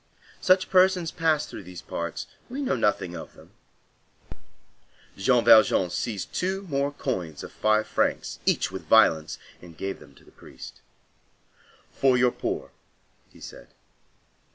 Such persons pass through these parts. We know nothing of them." Jean Valjean seized two more coins of five francs each with violence, and gave them to the priest. "For your poor," he said.